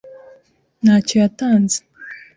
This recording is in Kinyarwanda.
ntacyo yatanze.